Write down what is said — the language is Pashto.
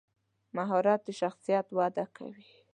مهارت د شخصیت وده کوي.